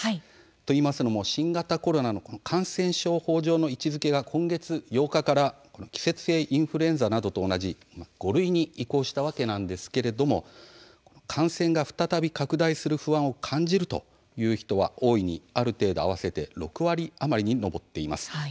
というのも新型コロナの感染症法上の位置づけが今月８日から季節性インフルエンザなどと同じ５類に移行したわけなんですが感染が再び拡大する不安を感じるという人は大いに、ある程度、合わせて６割余りに上っています。